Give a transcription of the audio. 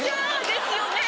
ですよね。